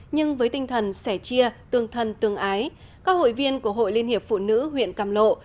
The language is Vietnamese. nhưng với tinh thần sẻ chia tương thân tương ái các hội viên của hội liên hiệp phụ nữ huyện càm lộ